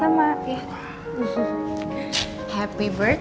aku pasti bakal marah